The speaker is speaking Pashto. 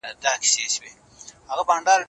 او تر څو چې دا خاوره وي.